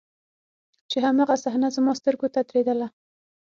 چې هماغه صحنه زما سترګو ته درېدله.